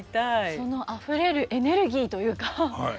そのあふれるエネルギーというか感じましたね。